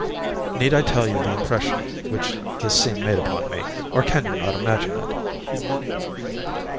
Need I tell you the impression which this scene made upon me, or can you not imagine it?